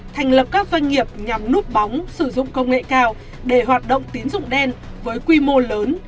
thành lập các doanh nghiệp nhằm núp bóng sử dụng công nghệ cao để hoạt động tín dụng đen với quy mô lớn